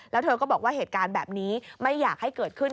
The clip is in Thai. แล้วเธอก็บอกว่าเหตุการณ์แบบนี้ไม่อยากให้เกิดขึ้น